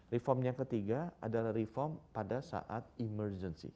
reformnya ketiga adalah reform pada saat emergency